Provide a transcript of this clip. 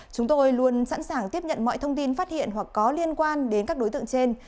chúng tôi luôn sẵn sàng tiếp nhận mọi thông tin phát hiện hoặc có liên quan đến các đối tượng trên